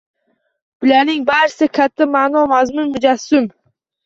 Bularning barisida katta ma’no-mazmun mujassam…